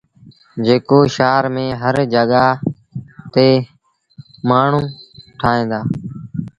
جيڪو شآهر ميݩ هر جآڳآ تي مآڻهوٚٚݩ ٺاهيݩ دآ۔